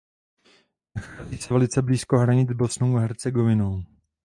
Nachází se velice blízko hranic s Bosnou a Hercegovinou.